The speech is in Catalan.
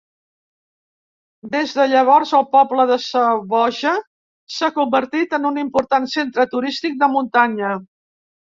Des de llavors, el poble de Zawoja s'ha convertit en un important centre turístic de muntanya.